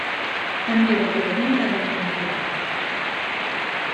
També va poder viure de la pintura.